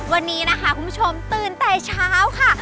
วันนี้นะคะคุณผู้ชมตื่นแต่เช้าค่ะ